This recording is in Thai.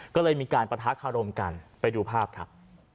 ก็เลยมีการปะทะคารมกันไปดูภาพครับ